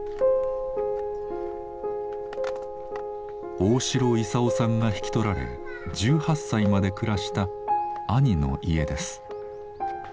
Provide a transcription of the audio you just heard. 大城勲さんが引き取られ１８歳まで暮らした兄の家です。